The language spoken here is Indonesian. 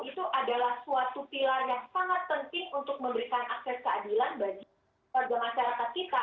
jadi bayangkan literasi hukum itu adalah suatu pilar yang sangat penting untuk memberikan akses keadilan bagi warga masyarakat kita